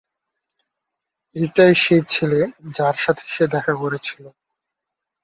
এইটাই সেই ছেলে যার সাথে সে দেখা করেছিল।